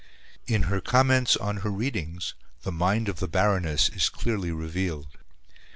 In her comments on her readings, the mind of the Baroness is clearly revealed.